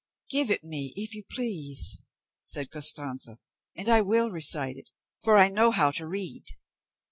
"Give it me, if you please," said Costanza, "and I will recite it; for I know how to read."